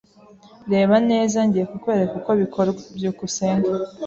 Reba neza. Ngiye kukwereka uko bikorwa. byukusenge